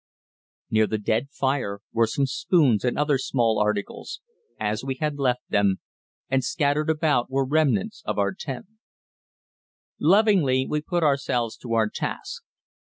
Near the dead fire were some spoons and other small articles, as we had left them, and scattered about were remnants of our tent. Lovingly we put ourselves to our task.